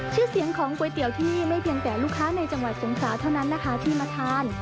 ชื่อเสียงของก๋วยเตี๋ยวที่ไม่เพียงแต่ลูกค้าในจังหวัดสงขลาเท่านั้นนะคะที่มาทาน